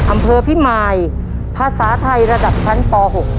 อำเภอพิมายภาษาไทยระดับชั้นป๖